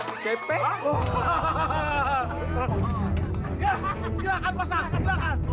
silahkan pasang silahkan